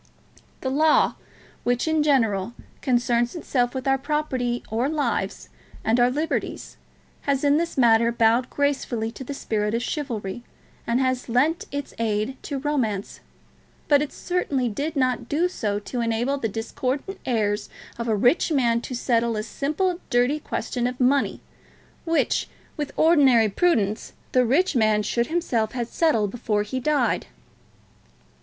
The Law, which, in general, concerns itself with our property or lives and our liberties, has in this matter bowed gracefully to the spirit of chivalry and has lent its aid to romance; but it certainly did not do so to enable the discordant heirs of a rich man to settle a simple dirty question of money, which, with ordinary prudence, the rich man should himself have settled before he died."